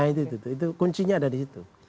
nah itu kuncinya ada disitu